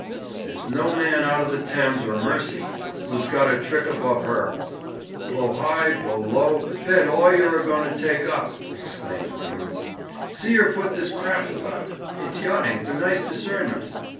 'There's no man out of the Thames or Mersey who's got a trick above her, blow high, blow low, bet all you're a going to take up!' exclaimed Prunes. 'See her put this craft about! It's yachting for nice discernment.